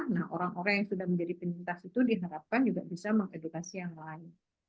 nah orang orang yang sudah menjadi penyintas itu diharapkan juga bisa mengedukasi yang lain